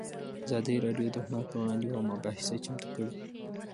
ازادي راډیو د هنر پر وړاندې یوه مباحثه چمتو کړې.